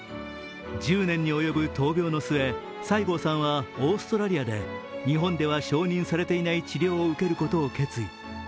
１０年に及ぶ闘病の末、西郷さんはオーストラリアで日本では承認されていない治療を受けることを決意。